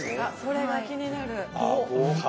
それが気になる。